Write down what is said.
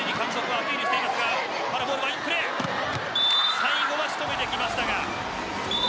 最後は仕留めてきましたが。